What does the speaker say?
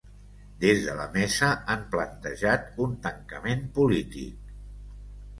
Des de la mesa han plantejat un tancament polític.